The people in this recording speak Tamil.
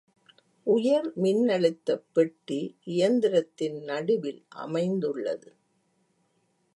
உயர் மின்னழுத்த பெட்டி இயந்திரத்தின் நடுவில் அமைந்துள்ளது.